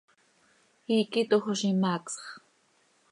Iiqui tojoz, imaacsx.